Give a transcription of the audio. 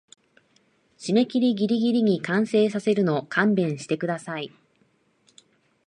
締切ギリギリに完成させるの勘弁してください